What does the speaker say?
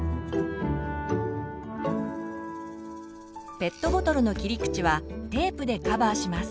ペットボトルの切り口はテープでカバーします。